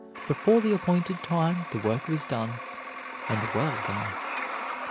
Before the appointed time the work was done, and well done.